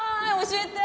教えて！